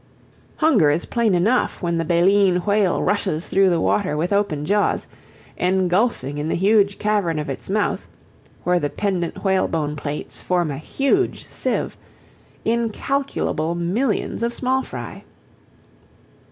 Hunger is plain enough when the Baleen Whale rushes through the water with open jaws, engulfing in the huge cavern of its mouth, where the pendent whalebone plates form a huge sieve, incalculable millions of small fry.